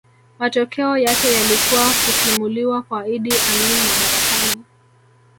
Matokeo yake yalikuwa kutimuliwa kwa Idi Amin madarakani